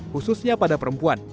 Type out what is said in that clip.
khususnya pada perempuan